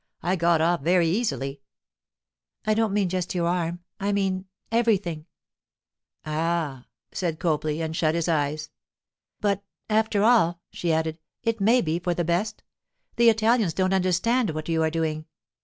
I got off very easily.' 'I don't mean just your arm—I mean—everything.' 'Ah,' said Copley, and shut his eyes. 'But, after all,' she added, 'it may be for the best. The Italians don't understand what you are doing.